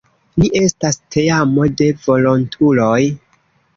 Ni estas teamo de volontuloj.